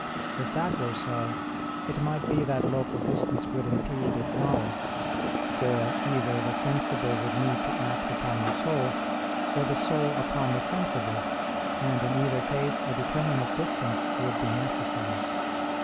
If that were so, it might be that local distance would impede its knowledge; for either the sensible would need to act upon the soul, or the soul upon the sensible, and in either case a determinate distance would be necessary.